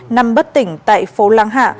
nằm bất tỉnh tại phố láng hạ